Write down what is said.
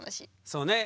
そうね。